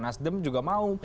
nasdem juga mau